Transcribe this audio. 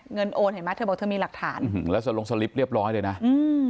โอนเห็นไหมเธอบอกเธอมีหลักฐานแล้วจะลงสลิปเรียบร้อยเลยนะอืม